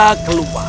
ketika dia keluar